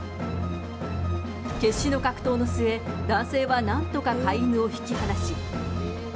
決死の格闘の末、男性はなんとか飼い犬を引き離し。